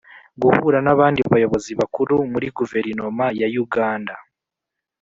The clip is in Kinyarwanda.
guhura n’abandi bayobozi bakuru muri guverinoma ya uganda.